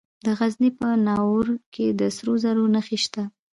د غزني په ناوور کې د سرو زرو نښې شته.